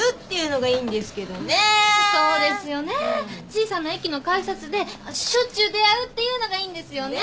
小さな駅の改札でしょっちゅう出会うっていうのがいいんですよね。